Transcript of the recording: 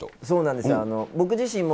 そうなんですよ。